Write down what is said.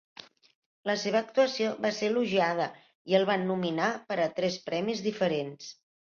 La seva actuació va ser elogiada i el van nominar per a tres premis diferents.